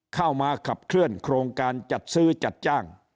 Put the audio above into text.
เข้ามาขับเคลื่อนโครงการจัดซื้อจัดจ้าง